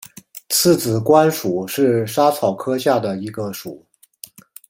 刺子莞属是莎草科下的一个属。